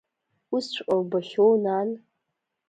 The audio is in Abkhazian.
Усҵәҟьа убахьоу, нан?